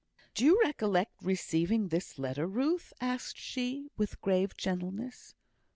"Do you recollect receiving this letter, Ruth?" asked she, with grave gentleness.